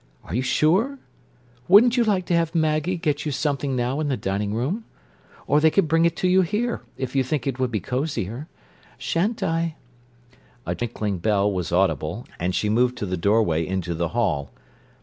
"Are you sure? Wouldn't you like to have Maggie get you something now in the dining room? Or they could bring it to you here, if you think it would be cozier. Shan't I—" A tinkling bell was audible, and she moved to the doorway into the hall.